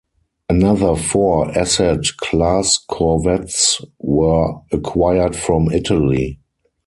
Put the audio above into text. Another four Assad class corvettes were acquired from Italy.